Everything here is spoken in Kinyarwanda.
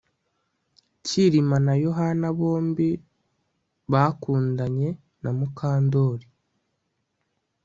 Kirima na Yohana bombi bakundanye na Mukandoli